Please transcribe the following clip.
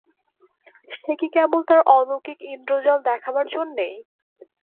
সে কি কেবল তাঁর অলৌকিক ইন্দ্রজাল দেখাবার জন্যে?